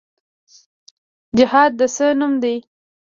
جهاد د څه نوم دی؟